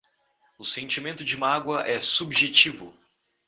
O sentimento de mágoa é subjetivo